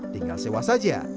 tinggal sewa saja